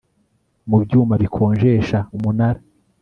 mu byuma bikonjesha Umunara